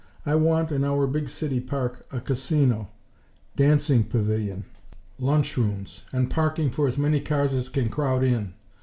I want, in our big City Park, a casino, dancing pavilion, lunch rooms; and parking for as many cars as can crowd in.